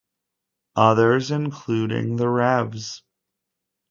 Others, including the Revs.